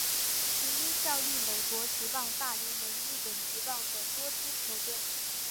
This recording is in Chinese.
曾经效力美国职棒大联盟日本职棒等多支球队。